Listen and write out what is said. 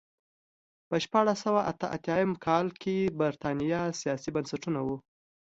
په شپاړس سوه اته اتیا کال کې برېټانیا سیاسي بنسټونه وو.